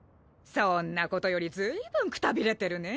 そんなことより随分くたびれてるね。